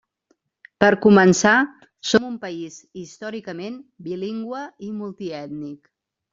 Per començar, som un país històricament bilingüe i multiètnic.